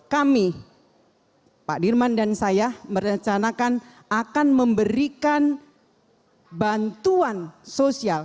kami pak dirman dan saya merencanakan akan memberikan bantuan sosial